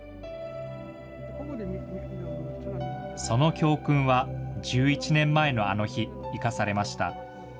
その教訓は１１年前のあの日、生かされました。